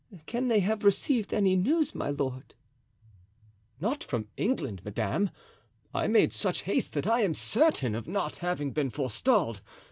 Can they have received any news, my lord?" "Not from England, madame. I made such haste that I am certain of not having been forestalled.